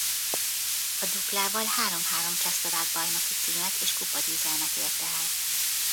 A Duklával három-három csehszlovák bajnoki címet és kupagyőzelmet ért el.